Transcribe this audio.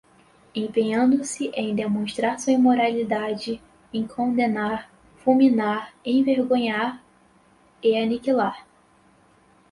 empenhando-se em demonstrar sua imoralidade, em condenar, fulminar, envergonhar... e aniquilar